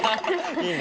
いいね。